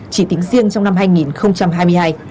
chỉ tính riêng trong năm hai nghìn hai mươi hai